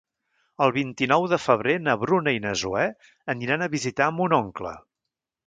El vint-i-nou de febrer na Bruna i na Zoè aniran a visitar mon oncle.